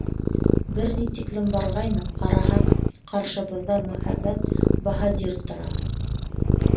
Бер ни тиклем барғайныҡ, ҡараһаҡ, ҡаршыбыҙҙа мөһабәт баһадир тора!